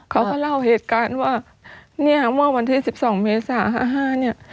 เขาก็เล่าเหตุการณ์ว่าวันที่๑๒เมษา๕๕เนี่ย